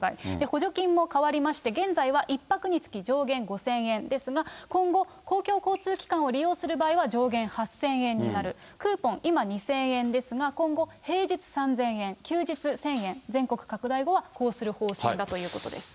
補助金も変わりまして、現在は１泊につき上限５０００円ですが、今後、公共交通機関を利用する場合は、上限８０００円になる、クーポン、今２０００円ですが、今後、平日３０００円、休日１０００円、全国拡大後はこうする方針だということです。